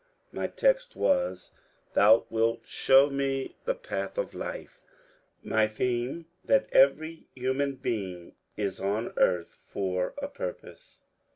" My text was, ^^ Thou wilt show me the path of life ;" my theme, that every human being is on earth for a purpose.